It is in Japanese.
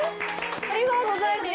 ありがとうございます。